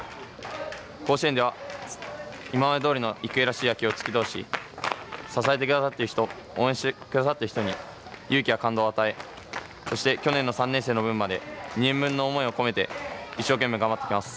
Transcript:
甲子園では、今までどおりの育英らしい野球を突き通し支えてくださっている人応援してくださっている人に勇気や感動を与えそして去年の３年生の分まで２年分の思いを込めて一生懸命頑張ってきます。